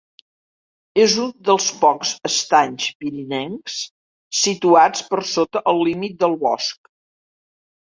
És un dels pocs estanys pirinencs situats per sota el límit del bosc.